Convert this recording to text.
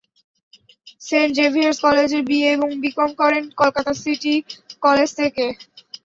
Saint Xavier's কলেজের BA এবং BCom করেন কলকাতা সিটি কলেজ থেকে।